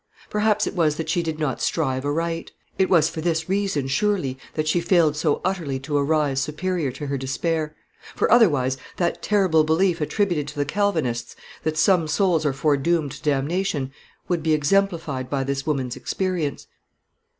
Perhaps it was that she did not strive aright; it was for this reason, surely, that she failed so utterly to arise superior to her despair; for otherwise that terrible belief attributed to the Calvinists, that some souls are foredoomed to damnation, would be exemplified by this woman's experience.